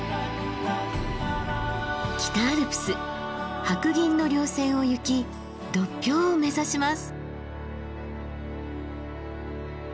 北アルプス白銀の稜線を行き独標を目指します。